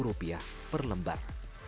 rp sembilan ratus per lembar